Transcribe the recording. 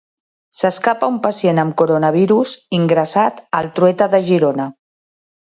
S'escapa un pacient amb coronavirus ingressat al Trueta de Girona.